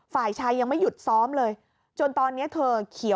ฝ่ายชายยังไม่หยุดซ้อมเลย